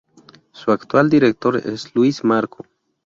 Su actual director es Luis Marco.